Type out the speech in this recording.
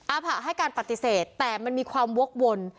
ผะให้การปฏิเสธแต่มันมีความวกวน